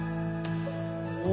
お！